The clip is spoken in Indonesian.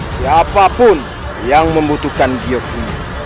siapapun yang membutuhkan giyok ini